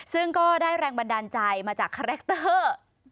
ซึ่งก็ได้แรงบันดาลใจมาจากคาแรคเตอร์